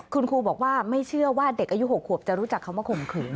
คุณครูบอกว่าไม่เชื่อว่าเด็กอายุ๖ขวบจะรู้จักเขามาข่มขืน